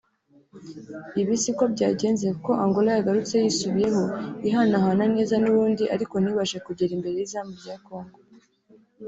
Ibi siko byagenze kuko Angola yagarutse yisubiyeho ihanahana neza nubundi ariko ntibashe kugera imbere y’izamu rya Congo